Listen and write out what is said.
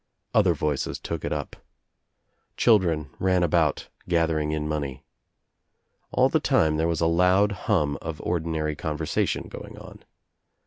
Other voices took it up. Children ran about gathering in money. AH the time there was a loud hum of ordinary conversation going on.